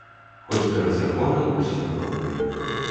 Хоць перад законам усе роўныя.